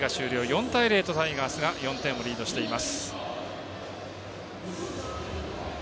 ４対０とタイガースが４点をリードしています。